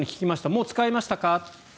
もう使いましたか？